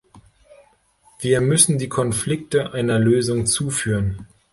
Wir müssen die Konflikte einer Lösung zuführen.